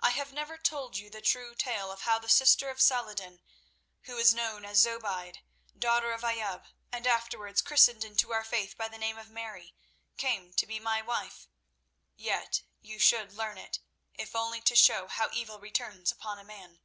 I have never told you the true tale of how the sister of Saladin, who was known as Zobeide, daughter of Ayoub, and afterwards christened into our faith by the name of Mary, came to be my wife. Yet you should learn it, if only to show how evil returns upon a man.